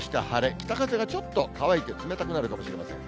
北風がちょっと乾いて冷たくなるかもしれません。